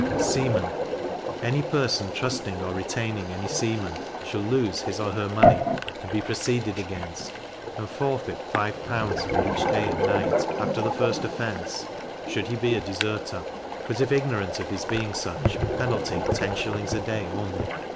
Seamen. Any person trusting or retaining any seaman, shall lose his or her money, and be proceeded against; and forfeit five pounds for each day and night (after the first offence), should he be a deserter; but if ignorant of his being such, penalty ten shillings a day, only.